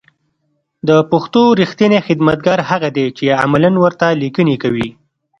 د پښتو رېښتينی خدمتگار هغه دی چې عملاً ورته ليکنې کوي